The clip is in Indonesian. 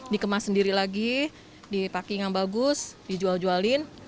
dikemas sendiri lagi dipakai yang bagus dijual jualin